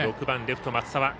６番レフト松澤。